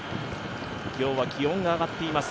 今日は気温が上がっています